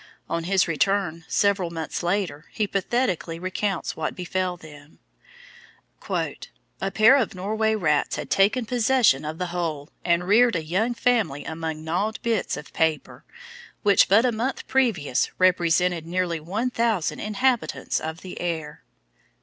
On his return, several months later, he pathetically recounts what befell them: "A pair of Norway rats had taken possession of the whole, and reared a young family among gnawed bits of paper, which but a month previous, represented nearly one thousand inhabitants of the air!"